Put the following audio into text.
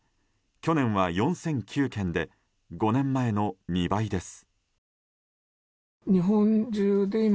去年は４００９件で５年前の２倍です。